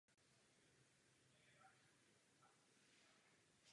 Na náměstí Svobody v Sušici je budova Muzeum Šumavy.